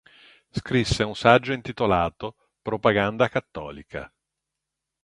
Scrisse un saggio intitolato "Propaganda cattolica".